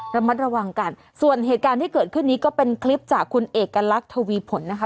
ระมัดระวังกันส่วนเหตุการณ์ที่เกิดขึ้นนี้ก็เป็นคลิปจากคุณเอกลักษณ์ทวีผลนะคะ